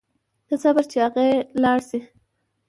ته صبر چې اغئ لاړ شي.